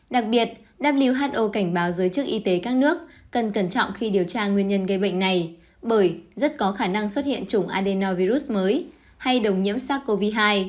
đặc biệt w h o cảnh báo giới chức y tế các nước cần cẩn trọng khi điều tra nguyên nhân gây bệnh này bởi rất có khả năng xuất hiện chủng adenovirus mới hay đồng nhiễm sars cov hai